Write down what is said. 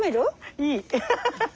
いい。